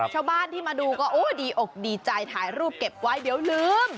ชาวบ้านที่มาดูก็โอ้ดีอกดีใจถ่ายรูปเก็บไว้เดี๋ยวลืม